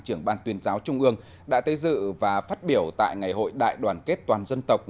trưởng ban tuyên giáo trung ương đã tới dự và phát biểu tại ngày hội đại đoàn kết toàn dân tộc